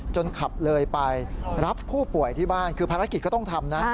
ขับเลยไปรับผู้ป่วยที่บ้านคือภารกิจก็ต้องทำนะ